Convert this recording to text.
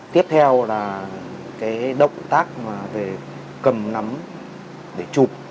tiếp theo là cái động tác về cầm nắm để chụp